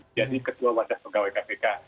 jadi ketua wajah pegawai kpk